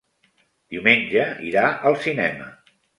Diumenge irà al cinema.